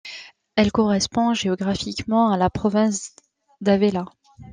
Elle correspond géographiquement à la province d'Ávila.